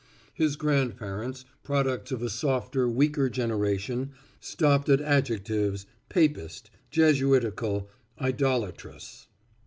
His grandparents, products of a softer, weaker generation, stopped at adjectives, "papist," "Jesuitical," "idolatrous."